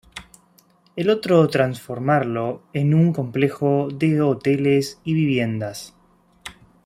El otro, transformarlo en un complejo de hoteles y viviendas.